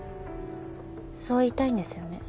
そう言いたいんですよね？